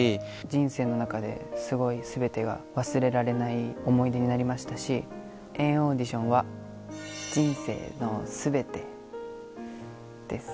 人生の中で、すごいすべてが忘れられない思い出になりましたし、＆ＡＵＤＩＴＩＯＮは人生の全てです。